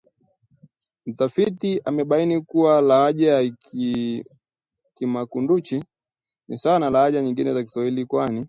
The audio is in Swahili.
Mtafiti amebaini kuwa lahaja ya Kimakunduchi ni sawa na lahaja nyengine za Kiswahili kwani